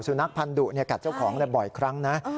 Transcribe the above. นักพันธุกัดเจ้าของบ่อยครั้งนะ